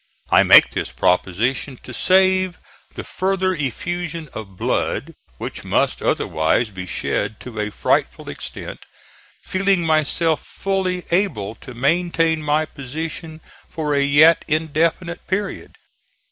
I make this proposition to save the further effusion of blood, which must otherwise be shed to a frightful extent, feeling myself fully able to maintain my position for a yet indefinite period.